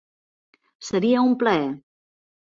Seria un plaer!